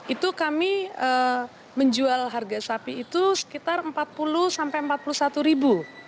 itu kami menjual harga sapi itu sekitar empat puluh sampai empat puluh satu ribu